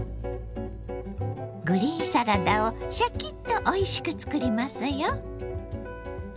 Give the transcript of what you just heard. グリーンサラダをシャキッとおいしく作りますよ。